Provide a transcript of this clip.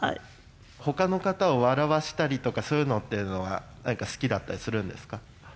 ほかの方を笑わせたりとか、そういうのというのは、なんか好きだったりするんですか？